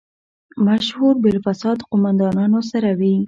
مشهور بالفساد قوماندانانو سره وي.